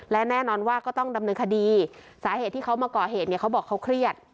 และแน่นอนว่าก็ต้องดำเนินคดีสาเหตุที่เขามาก่อเหตุเนี่ยเขาบอกเขาเครียด